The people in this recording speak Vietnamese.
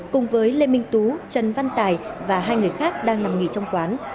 cùng với lê minh tú trần văn tài và hai người khác đang nằm nghỉ trong quán